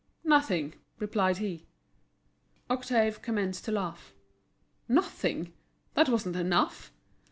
"Nothing," replied he. Octave commenced to laugh. Nothing! that wasn't enough.